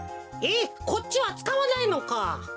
えっこっちはつかわないのか。